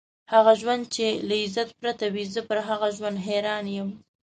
هغه ژوند چې له عزت پرته وي، زه پر هغه ژوند حیران یم.